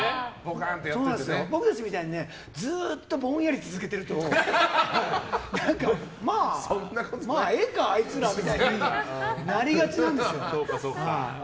僕たちみたいにずっとぼんやり続けてるとまあええか、あいつらみたいになりがちなんです。